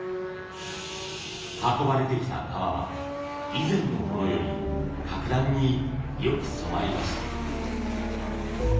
運ばれてきた革は以前のものより格段によく染まりました。